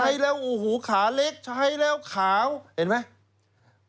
ใช่แล้วขาเล็กใช่แล้วขาวเห็นไหม